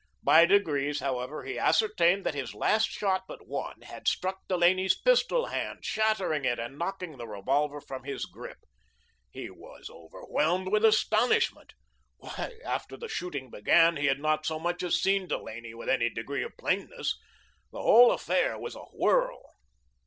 By degrees, however, he ascertained that his last shot but one had struck Delaney's pistol hand, shattering it and knocking the revolver from his grip. He was overwhelmed with astonishment. Why, after the shooting began he had not so much as seen Delaney with any degree of plainness. The whole affair was a whirl.